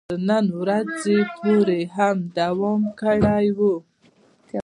تر نن ورځې پورې یې هم دوام ورکړی دی.